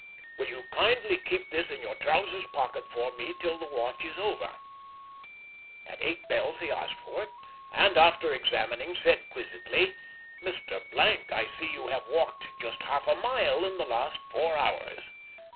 "Will you kindly keep this in your trousers pocket for me till the watch is over?" At eight bells he asked for it, and, after examining, said, quizzically, "Mr. , I see you have walked just half a mile in the last four hours."